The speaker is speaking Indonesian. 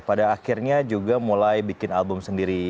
pada akhirnya juga mulai bikin album sendiri